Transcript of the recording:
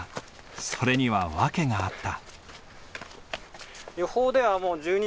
それには訳があった。